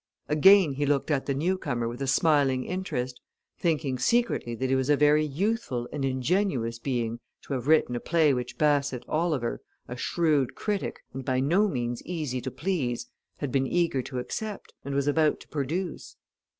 Again he looked at the newcomer with a smiling interest, thinking secretly that he was a very youthful and ingenuous being to have written a play which Bassett Oliver, a shrewd critic, and by no means easy to please, had been eager to accept, and was about to produce.